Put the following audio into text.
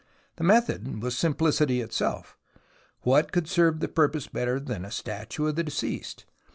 The method was simplicity itself. What could serve the purpose better than a statue of the deceased